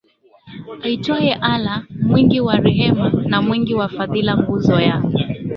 aitwaye Allah mwingi wa rehema na mwingi wa fadhila nguzo ya